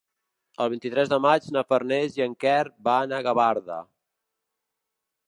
El vint-i-tres de maig na Farners i en Quer van a Gavarda.